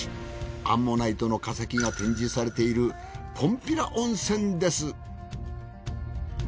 アンモナイトの化石が展示されているぽんぴら温泉です。